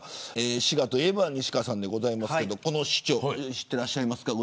滋賀といえば西川さんですがこの市長知っていらっしゃいますか。